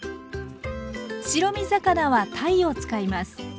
白身魚はたいを使います。